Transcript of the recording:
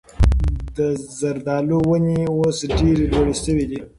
د زردالو ونې اوس ډېرې لوړې شوي دي.